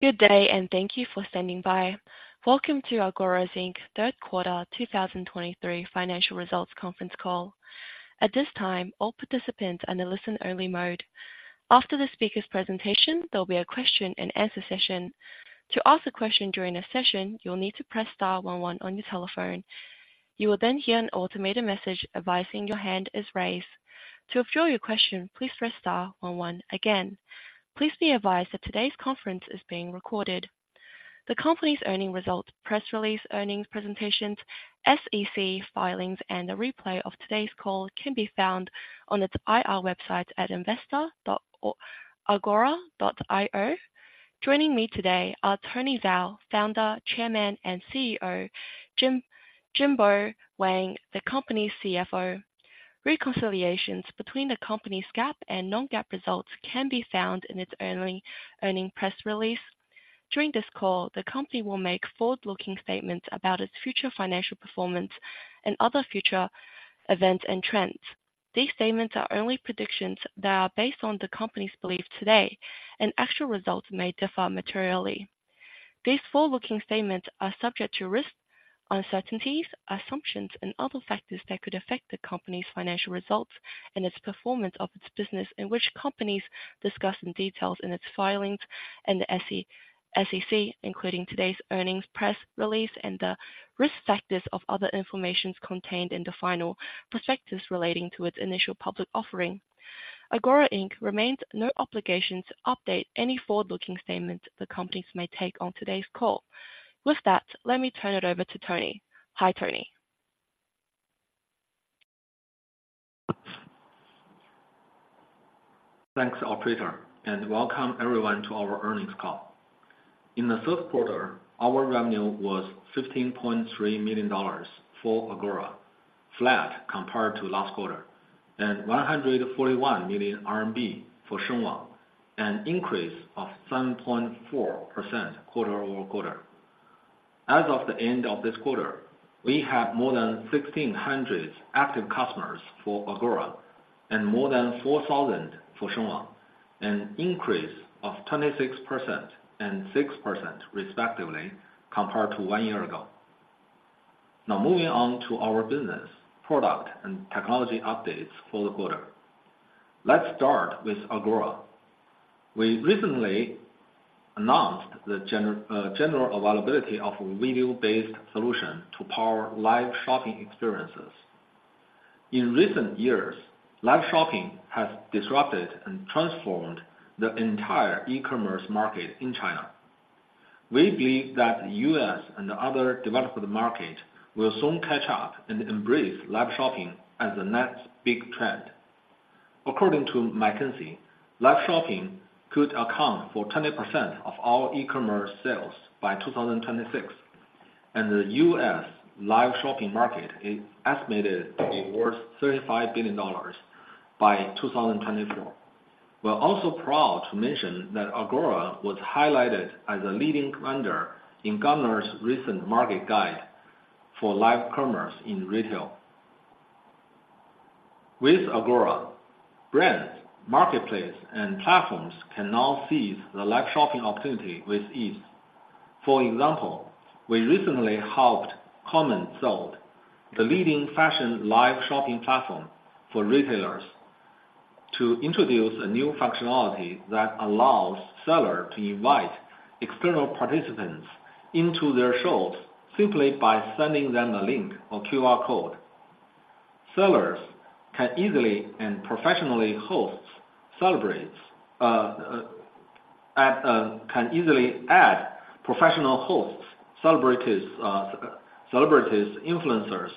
Good day, thank you for standing by. Welcome to Agora, Inc.'s Q3 2023 financial results conference call. At this time, all participants are in a listen-only mode. After the speaker's presentation, there will be a Q&A session. To ask a question during the session, you will need to press star one one on your telephone. You will then hear an automated message advising your hand is raised. To withdraw your question, please press star one one again. Please be advised that today's conference is being recorded. The company's earnings results, press release, earnings presentations, SEC filings, and the replay of today's call can be found on its IR website at investor.agora.io. Joining me today Tony Zhao, Founder, Chairman, and CEO, Jingbo Wang, the company's CFO. Reconciliations between the company's GAAP and non-GAAP results can be found in its earnings press release. During this call, the company will make forward-looking statements about its future financial performance and other future events and trends. These statements are only predictions that are based on the company's belief today, and actual results may differ materially. These forward-looking statements are subject to risks, uncertainties, assumptions, and other factors that could affect the company's financial results and its performance of its business, in which the company discusses in detail in its filings with the SEC, including today's earnings press release, and the risk factors and other information contained in the final prospectus relating to its initial public offering. Agora, Inc. has no obligation to update any forward-looking statements the company may make on today's call. With that, let me turn it over to Tony Zhao. Hi, Tony Zhao. Thanks, Operator, and welcome everyone to our earnings call. In the Q3, our revenue was $15.3 million for Agora, flat compared to last quarter, and 141 million RMB for Shengwang, an increase of 7.4% quarter-over-quarter. As of the end of this quarter, we have more than 1,600 active customers for Agora and more than 4,000 for Shengwang, an increase of 26% and 6% respectively compared to one year ago. Now, moving on to our business, product, and technology updates for the quarter. Let's start with Agora. We recently announced the general availability of a video-based solution to power live shopping experiences. In recent years, live shopping has disrupted and transformed the entire e-commerce market in China. We believe that the U.S. and other developed market will soon catch up and embrace live shopping as the next big trend. According to McKinsey, live shopping could account for 20% of all e-commerce sales by 2026, and the U.S. live shopping market is estimated to be worth $35 billion by 2024. We're also proud to mention that Agora was highlighted as a leading vendor in Gartner's recent Market Guide for Live Commerce in Retail. With Agora, brands, marketplace, and platforms can now seize the live shopping opportunity with ease. For example, we recently helped CommentSold, the leading fashion live shopping platform for retailers, to introduce a new functionality that allows sellers to invite external participants into their shows simply by sending them a link or QR code. Sellers can easily and professionally host celebrities. Can easily add professional hosts, celebrities, celebrities, influencers,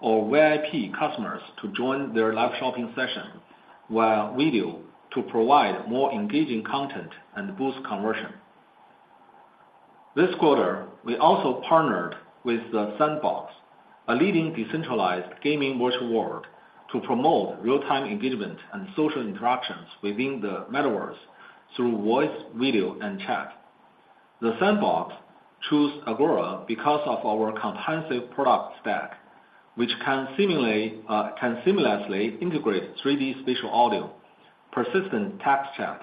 or VIP customers to join their live shopping session via video to provide more engaging content and boost conversion. This quarter, we also partnered with The Sandbox, a leading decentralized gaming virtual world, to promote real-time engagement and social interactions within the metaverse through voice, video, and chat. The Sandbox chose Agora because of our comprehensive product stack, which can seamlessly integrate 3D Spatial Audio, persistent text chat,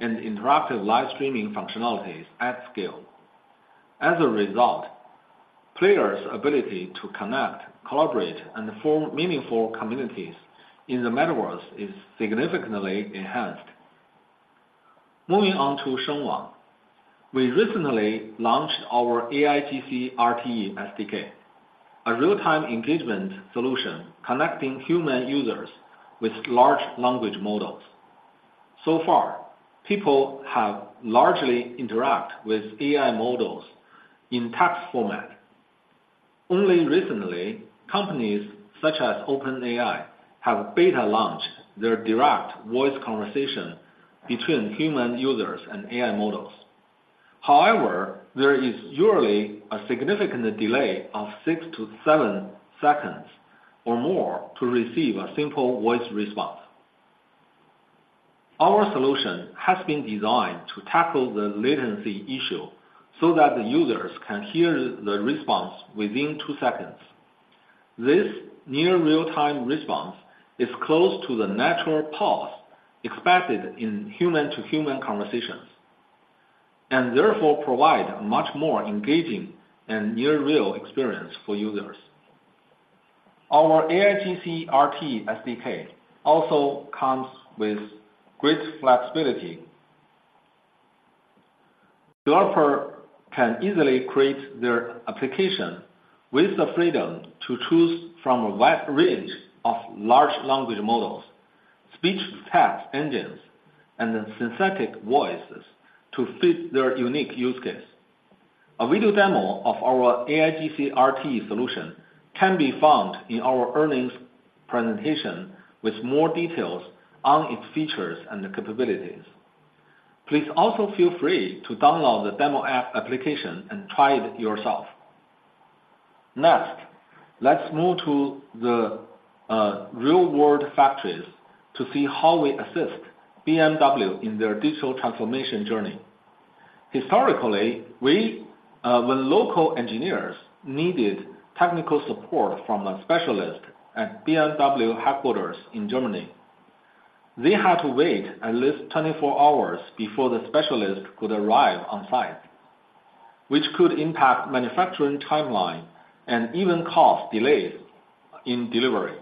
and interactive live-streaming functionalities at scale. As a result, players' ability to connect, collaborate, and form meaningful communities in the metaverse is significantly enhanced. Moving on to Shengwang. We recently launched our AIGC RTE SDK, a real-time engagement solution connecting human users with large language models. So far, people have largely interact with AI models in text format. Only recently, companies such as OpenAI have beta launched their direct voice conversation between human users and AI models. However, there is usually a significant delay of six-seven seconds or more to receive a simple voice response. Our solution has been designed to tackle the latency issue so that the users can hear the response within two seconds. This near real-time response is close to the natural pause expected in human-to-human conversations, and therefore provide a much more engaging and near real experience for users. Our AIGC RTE SDK also comes with great flexibility. Developer can easily create their application with the freedom to choose from a wide range of large language models, speech-to-text engines, and then synthetic voices to fit their unique use case. A video demo of our AIGC RTE solution can be found in our earnings presentation, with more details on its features and capabilities. Please also feel free to download the demo app application and try it yourself. Next, let's move to the real-world factories to see how we assist BMW in their digital transformation journey. Historically, when local engineers needed technical support from a specialist at BMW headquarters in Germany, they had to wait at least 24 hours before the specialist could arrive on site, which could impact manufacturing timeline and even cause delays in delivery.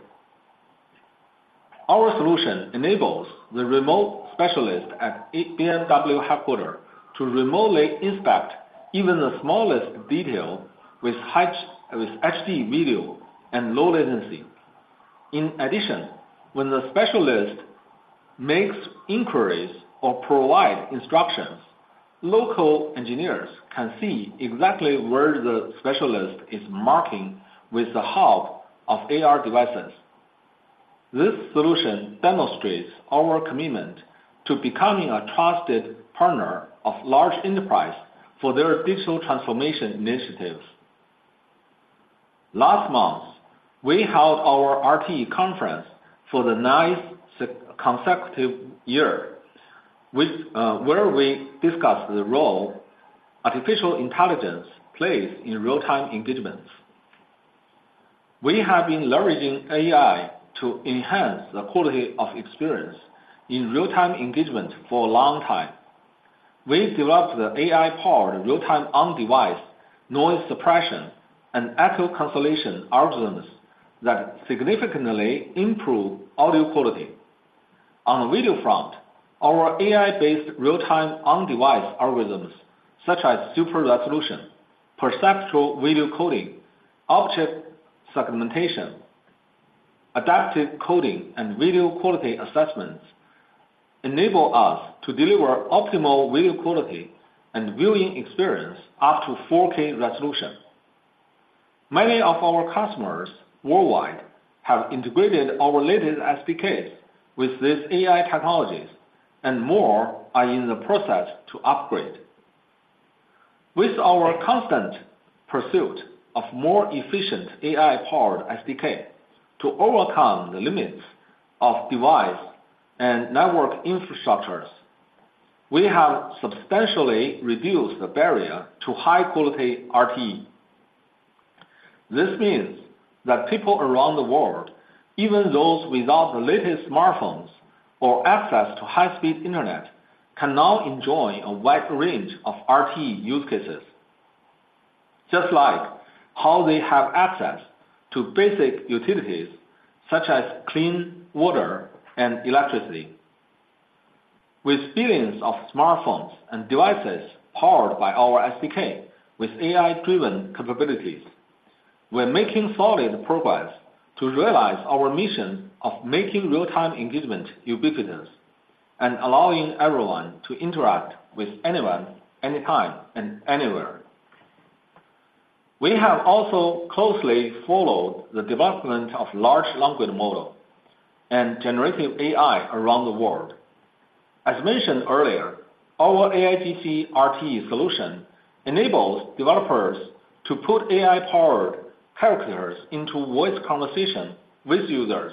Our solution enables the remote specialist at BMW headquarters to remotely inspect even the smallest detail with HD video and low latency. In addition, when the specialist makes inquiries or provide instructions, local engineers can see exactly where the specialist is marking with the help of AR devices. This solution demonstrates our commitment to becoming a trusted partner of large enterprise for their digital transformation initiatives. Last month, we held our RTE conference for the ninth consecutive year, which, where we discussed the role artificial intelligence plays in real-time engagements. We have been leveraging AI to enhance the quality of experience in real-time engagement for a long time. We developed the AI-powered real-time on-device noise suppression and echo cancellation algorithms that significantly improve audio quality. On the video front, our AI-based real-time on-device algorithms, such as super resolution, perceptual video coding, object segmentation, adaptive coding, and video quality assessments, enable us to deliver optimal video quality and viewing experience up to 4K resolution. Many of our customers worldwide have integrated our latest SDKs with these AI technologies, and more are in the process to upgrade. With our constant pursuit of more efficient AI-powered SDK to overcome the limits of device and network infrastructures, we have substantially reduced the barrier to high-quality RTE. This means that people around the world, even those without the latest smartphones or access to high-speed internet, can now enjoy a wide range of RTE use cases, just like how they have access to basic utilities, such as clean water and electricity. With billions of smartphones and devices powered by our SDK with AI-driven capabilities, we're making solid progress to realize our mission of making real-time engagement ubiquitous and allowing everyone to interact with anyone, anytime, and anywhere. We have also closely followed the development of large language model and generative AI around the world. As mentioned earlier, our AIGC RTE solution enables developers to put AI-powered characters into voice conversation with users.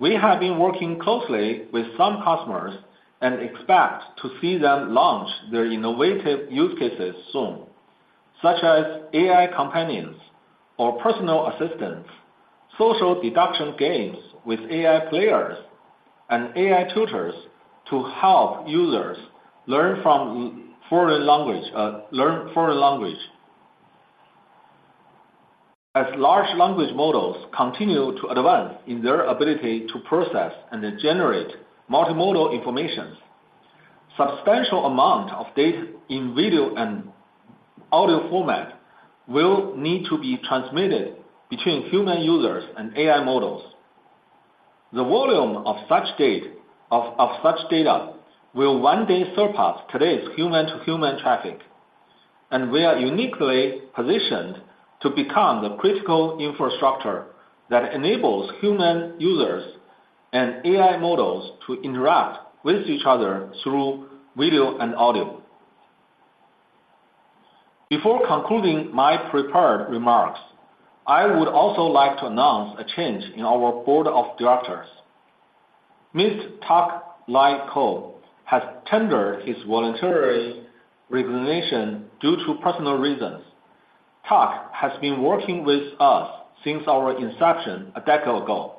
We have been working closely with some customers and expect to see them launch their innovative use cases soon, such as AI companions or personal assistants, social deduction games with AI players, and AI tutors to help users learn foreign language. As large language models continue to advance in their ability to process and then generate multimodal information, substantial amount of data in video and audio format will need to be transmitted between human users and AI models. The volume of such data will one day surpass today's human-to-human traffic, and we are uniquely positioned to become the critical infrastructure that enables human users and AI models to interact with each other through video and audio. Before concluding my prepared remarks, I would also like to announce a change in our board of directors. Mr. Tuck Lye Koh has tendered his voluntary resignation due to personal reasons. Tuck Lye Koh has been working with us since our inception a decade ago,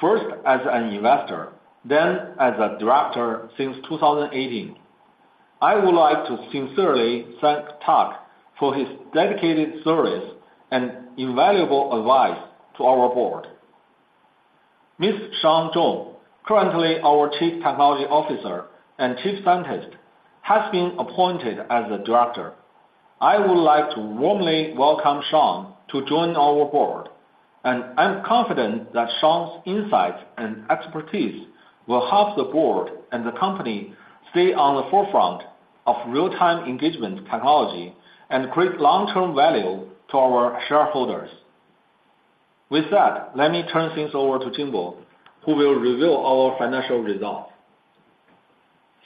first as an investor, then as a Director since 2018. I would like to sincerely thank Tuck Lye Koh for his dedicated service and invaluable advice to our board. Mr. Shawn Zhong, currently our Chief Technology Officer and Chief Scientist, has been appointed as a Director. I would like to warmly welcome Shawn Zhong to join our board, and I'm confident that Shawn Zhong's insights and expertise will help the board and the company stay on the forefront of real-time engagement technology and create long-term value to our shareholders. With that, let me turn things over to Jingbo Wang, who will reveal our financial results.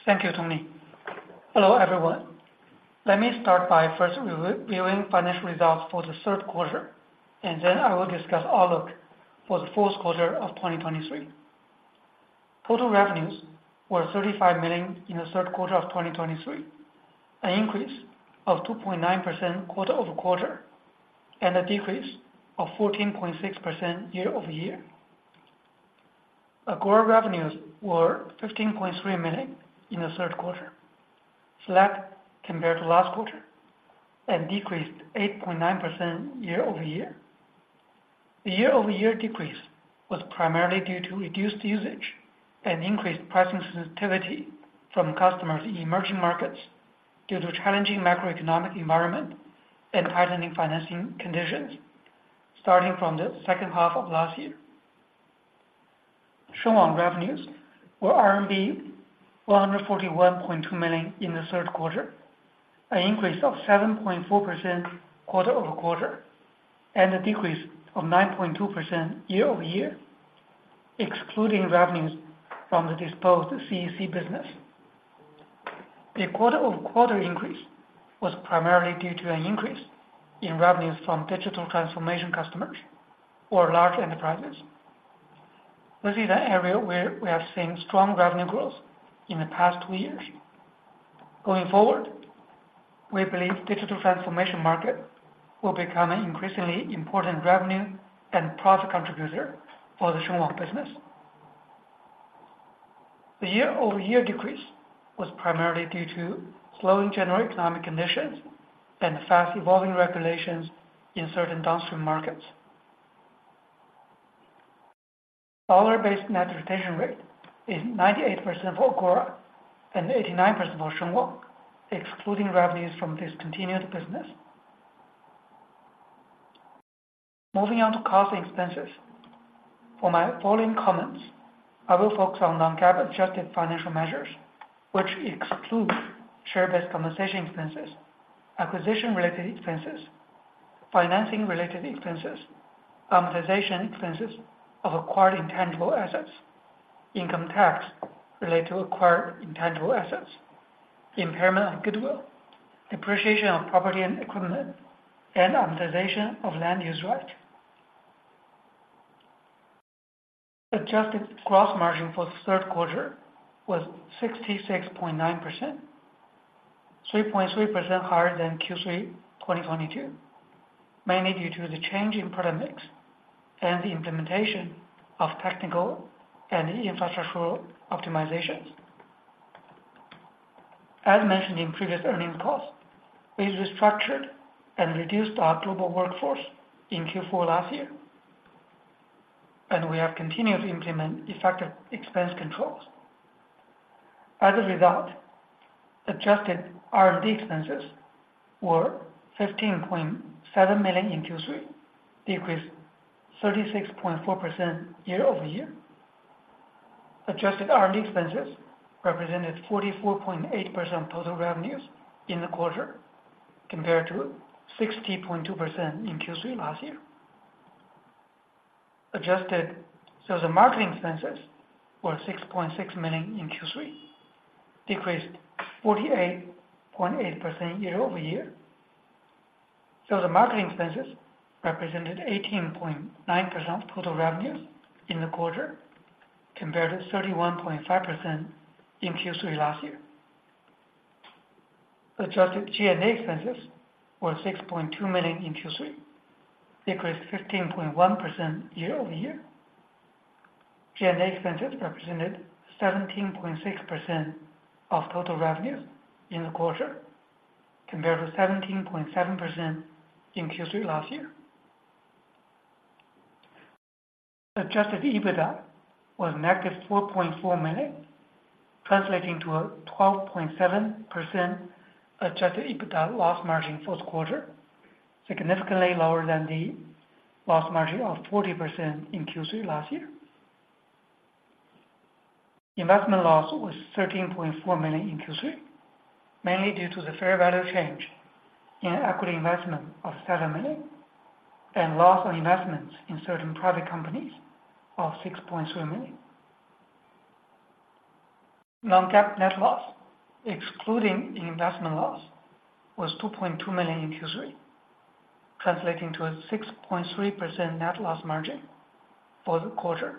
Thank you, Tony Zhao. Hello, everyone. Let me start by first reviewing financial results for the Q3, and then I will discuss outlook for the Q4 of 2023. Total revenues were $35 million in the Q3 of 2023, an increase of 2.9% quarter-over-quarter, and a decrease of 14.6% year-over-year. Agora revenues were $15.3 million in the Q3, flat compared to last quarter, and decreased 8.9% year-over-year. The year-over-year decrease was primarily due to reduced usage and increased pricing sensitivity from customers in emerging markets due to challenging macroeconomic environment and tightening financing conditions, starting from the second half of last year. Shengwang revenues were RMB 141.2 million in the Q3, an increase of 7.4% quarter-over-quarter, and a decrease of 9.2% year-over-year, excluding revenues from the disposed CEC business. The quarter-over-quarter increase was primarily due to an increase in revenues from digital transformation customers or large enterprises. This is an area where we have seen strong revenue growth in the past two years. Going forward, we believe digital transformation market will become an increasingly important revenue and profit contributor for the Shengwang business. The year-over-year decrease was primarily due to slowing general economic conditions and fast evolving regulations in certain downstream markets. Dollar-Based Net Retention Rate is 98% for Agora and 89% for Shengwang, excluding revenues from discontinued business. Moving on to cost and expenses. For my following comments, I will focus on non-GAAP adjusted financial measures, which excludes share-based compensation expenses, acquisition-related expenses, financing-related expenses, amortization expenses of acquired intangible assets, income tax related to acquired intangible assets, impairment of goodwill, depreciation of property and equipment, and amortization of land use right. Adjusted gross margin for the Q3 was 66.9%, 3.3% higher than Q3 2022, mainly due to the change in product mix and the implementation of technical and infrastructure optimizations. As mentioned in previous earnings calls, we restructured and reduced our global workforce in Q4 last year, and we have continued to implement effective expense controls. As a result, adjusted R&D expenses were $15.7 million in Q3, decreased 36.4% year-over-year. Adjusted R&D expenses represented 44.8% of total revenues in the quarter, compared to 60.2% in Q3 last year. Adjusted sales and marketing expenses were $6.6 million in Q3, decreased 48.8% year-over-year. The marketing expenses represented 18.9% of total revenues in the quarter, compared to 31.5% in Q3 last year. Adjusted G&A expenses were $6.2 million in Q3, decreased 15.1% year-over-year. G&A expenses represented 17.6% of total revenues in the quarter, compared to 17.7% in Q3 last year. Adjusted EBITDA was -$4.4 million, translating to a 12.7% adjusted EBITDA loss margin for the quarter, significantly lower than the loss margin of 40% in Q3 last year. Investment loss was $13.4 million in Q3, mainly due to the fair value change in equity investment of $7 million and loss on investments in certain private companies of $6.3 million. Non-GAAP net loss, excluding investment loss, was $2.2 million in Q3, translating to a 6.3% net loss margin for the quarter,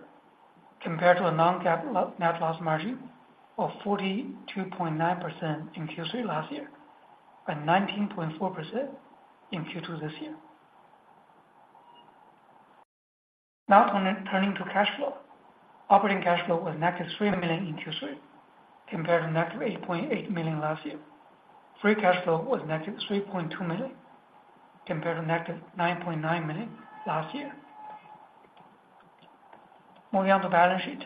compared to a non-GAAP net loss margin of 42.9% in Q3 last year, and 19.4% in Q2 this year. Now turning to cash flow. Operating cash flow was negative $3 million in Q3, compared to -$8.8 million last year. Free cash flow was -$3.2 million, compared to -$9.9 million last year. Moving on to balance sheet.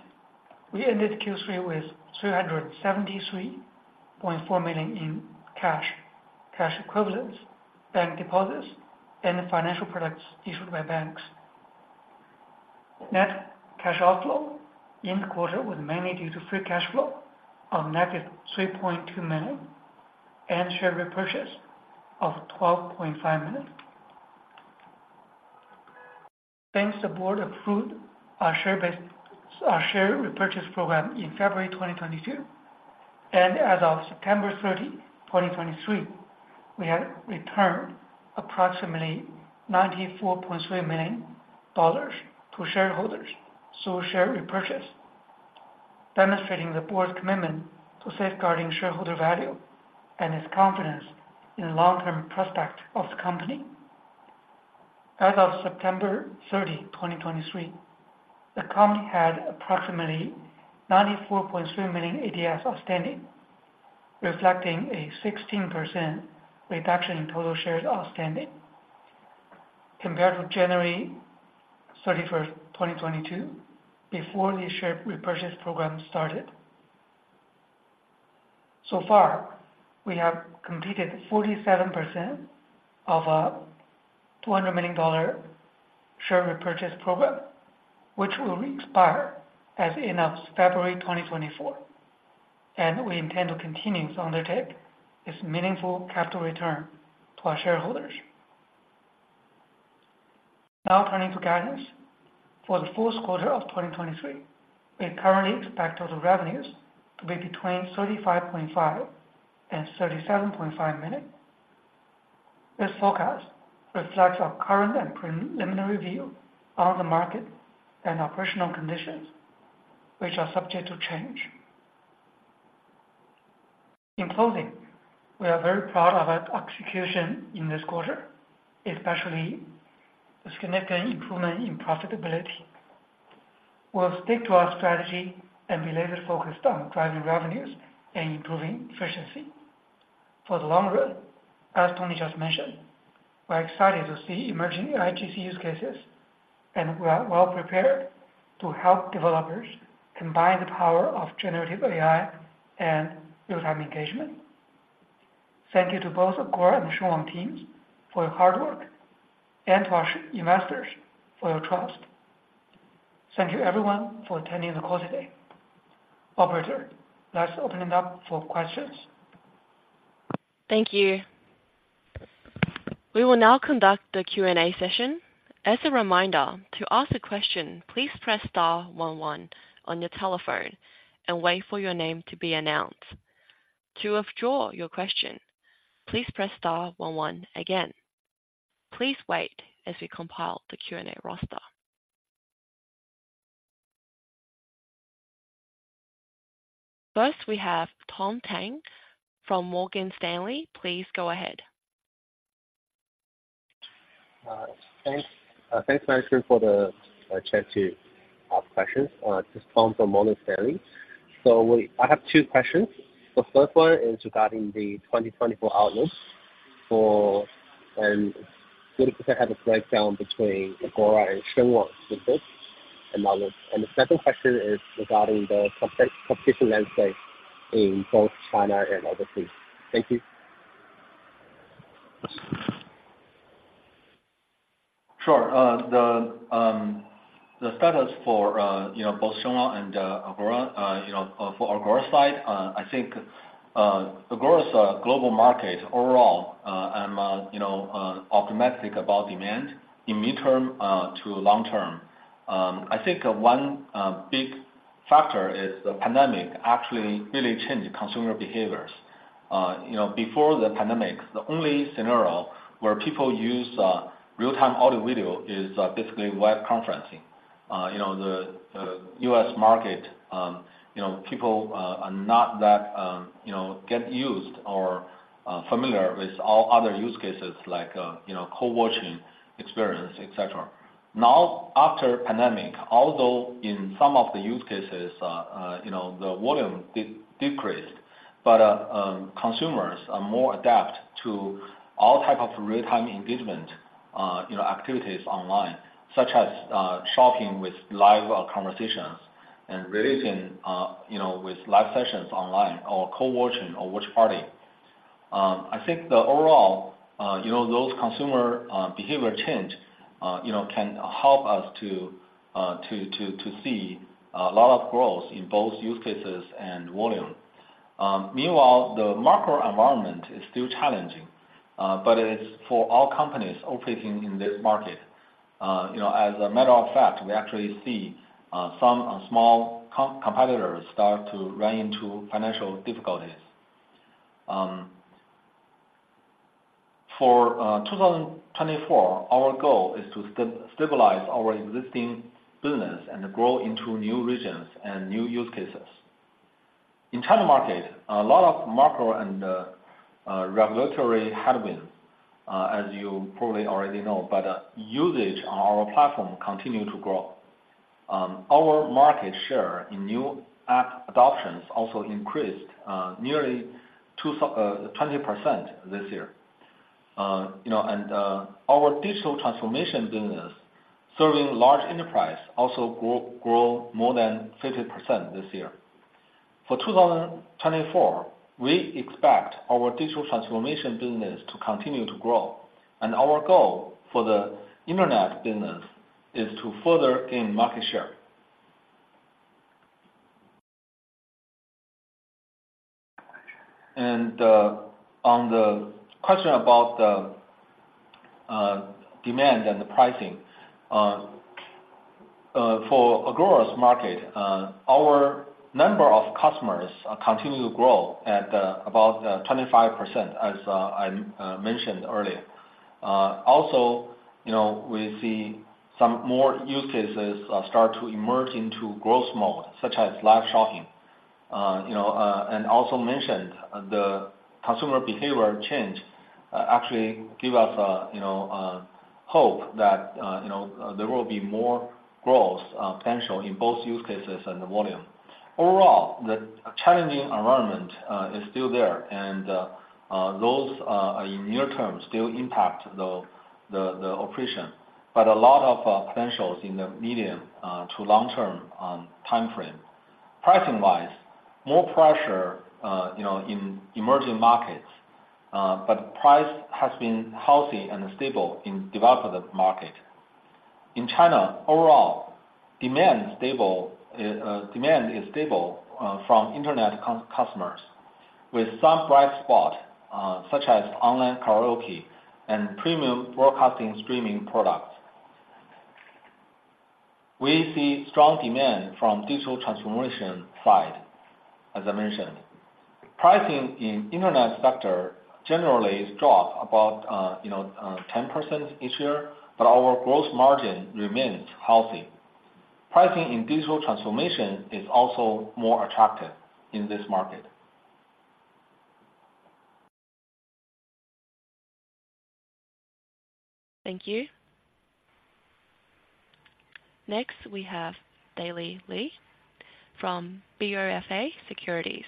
We ended Q3 with $373.4 million in cash, cash equivalents, bank deposits, and financial products issued by banks. Net cash outflow in the quarter was mainly due to free cash flow of -$3.2 million, and share repurchase of $12.5 million. Thanks, the board approved our share repurchase program in February 2022, and as of September 30th, 2023, we have returned approximately $94.3 million to shareholders through share repurchase, demonstrating the board's commitment to safeguarding shareholder value and its confidence in the long-term prospect of the company. As of September 30th, 2023, the company had approximately 94.3 million ADSs outstanding, reflecting a 16% reduction in total shares outstanding, compared to January 31st, 2022, before the share repurchase program started. So far, we have completed 47% of our $200 million share repurchase program, which will expire at the end of February 2024, and we intend to continue to undertake this meaningful capital return to our shareholders. Now turning to guidance. For the Q4 of 2023, we currently expect total revenues to be between $35.5 million and $37.5 million. This forecast reflects our current and preliminary view on the market and operational conditions, which are subject to change. In closing, we are very proud of our execution in this quarter, especially the significant improvement in profitability. We'll stick to our strategy and remain focused on driving revenues and improving efficiency. For the long run, as Tony Zhao just mentioned, we're excited to see emerging AIGC cases, and we are well prepared to help developers combine the power of generative AI and real-time engagement. Thank you to both Agora and Shengwang teams for your hard work, and to our investors for your trust. Thank you everyone for attending the call today. Operator, let's open it up for questions. Thank you. We will now conduct the Q&A session. As a reminder, to ask a question, please press star one one on your telephone and wait for your name to be announced. To withdraw your question, please press star one one again. Please wait as we compile the Q&A roster. First, we Tom Tang from Morgan Stanley. Please go ahead. Thanks, thanks very much for the chance to ask questions. This is Tom Tang from Morgan Stanley. I have two questions. The first one is regarding the 2024 outlook and would you please have a breakdown between Agora and Shengwang with this and that one? And the second question is regarding the competition landscape in both China and overseas. Thank you. Sure. The status for, you know, both Shengwang and Agora, you know, for Agora side, I think, Agora's global market overall, I'm, you know, optimistic about demand in mid-term to long-term. I think one big factor is the pandemic actually really changed consumer behaviors. You know, before the pandemic, the only scenario where people use real-time audio-video is basically web conferencing. You know, the U.S. market, you know, people are not that, you know, get used or familiar with all other use cases like, you know, co-watching experience, et cetera. Now, after pandemic, although in some of the use cases, you know, the volume decreased, but consumers are more adapted to all types of real-time engagement, you know, activities online, such as shopping with live conversations and relating, you know, with live sessions online, or co-watching or watch party. I think the overall, you know, those consumer behavior changes, you know, can help us to see a lot of growth in both use cases and volume. Meanwhile, the macro environment is still challenging, but it is for all companies operating in this market. You know, as a matter of fact, we actually see some small competitors start to run into financial difficulties. For 2024, our goal is to stabilize our existing business and grow into new regions and new use cases. In China market, a lot of macro and regulatory headwinds, as you probably already know, but usage on our platform continue to grow. Our market share in new app adoptions also increased nearly 20% this year. You know, and our digital transformation business, serving large enterprise, also grow more than 50% this year. For 2024, we expect our digital transformation business to continue to grow, and our goal for the internet business is to further gain market share. On the question about the demand and the pricing for Agora's market, our number of customers continue to grow at about 25%, as I mentioned earlier. Also, you know, we see some more use cases start to emerge into growth mode, such as live shopping. You know, and also mentioned the consumer behavior change actually give us a you know hope that you know there will be more growth potential in both use cases and the volume. Overall, the challenging environment is still there, and those in near-term still impact the operation, but a lot of potentials in the medium to long-term timeframe. Pricing-wise, more pressure, you know, in emerging markets, but price has been healthy and stable in developed market. In China, overall, demand stable, demand is stable, from internet customers, with some bright spot, such as online karaoke and premium broadcasting streaming products. We see strong demand from digital transformation side, as I mentioned. Pricing in internet sector generally drop about, you know, 10% each year, but our gross margin remains healthy. Pricing in digital transformation is also more attractive in this market. Thank you. Next, we have Daley Li from BofA Securities.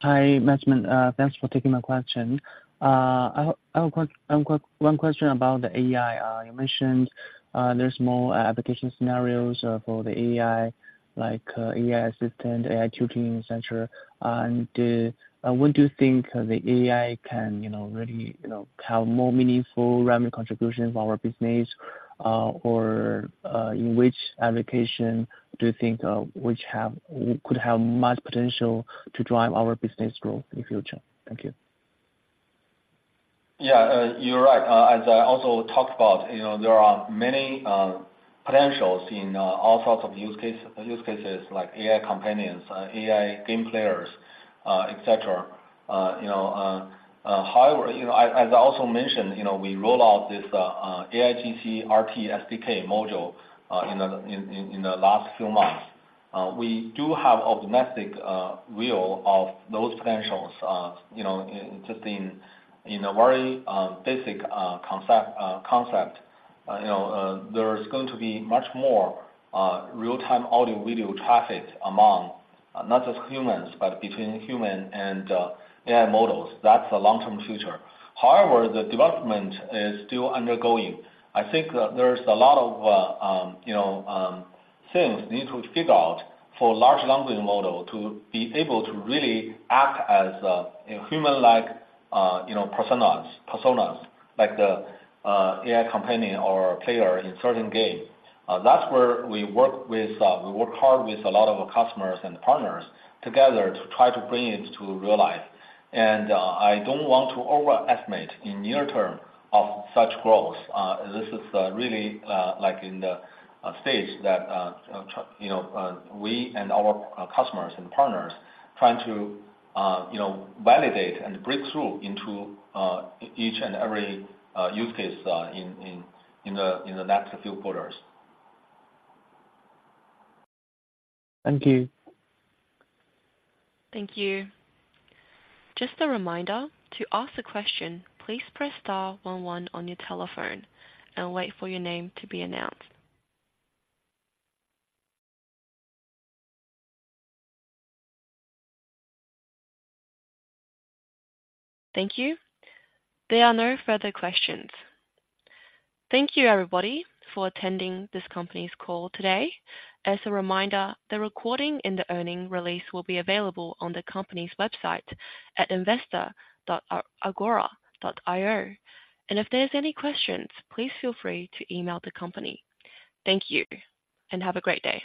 Hi, management. Thanks for taking my question. I have one question about the AI. You mentioned there's more application scenarios for the AI, like AI assistant, AI tutoring, et cetera. And when do you think the AI can, you know, really, you know, have more meaningful revenue contribution for our business? Or in which application do you think which could have much potential to drive our business growth in the future? Thank you. Yeah, you're right. As I also talked about, you know, there are many potentials in all sorts of use cases like AI companions, AI game players, et cetera. However, you know, as I also mentioned, you know, we roll out this AIGC RTE SDK module in the last few months. We do have optimistic view of those potentials, you know, just in a very basic concept. You know, there is going to be much more real-time audio/video traffic among not just humans, but between human and AI models. That's the long-term future. However, the development is still undergoing. I think that there's a lot of, you know, things need to figure out for large language model to be able to really act as a human-like, you know, personas, like the AI companion or player in certain game. That's where we work hard with a lot of our customers and partners together to try to bring it to real life. And I don't want to overestimate in near-term of such growth. This is really like in the stage that you know we and our customers and partners trying to you know validate and break through into each and every use case in the next few quarters. Thank you. Thank you. Just a reminder, to ask a question, please press star one one on your telephone and wait for your name to be announced. Thank you. There are no further questions. Thank you, everybody, for attending this company's call today. As a reminder, the recording and the earnings release will be available on the company's website at investor.agora.io. If there's any questions, please feel free to email the company. Thank you, and have a great day.